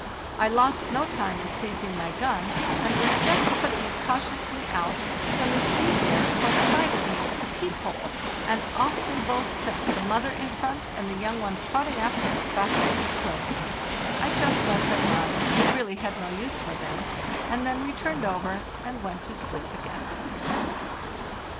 [| lost no time in seizing my gun, and was just putting it cautiously out, when the she bear caught sight of me at the peep hole, and off they both set, the mother in front, and the young one trotting after as fast as it could. I just let them run—we had really no use for them — and then we turned over and went to sleep again.